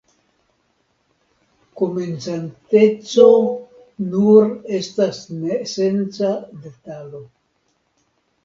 Komencanteco nur estas nesenca detalo.